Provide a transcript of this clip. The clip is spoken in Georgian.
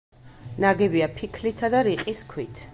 ნაგებია ფიქლითა და რიყის ქვით.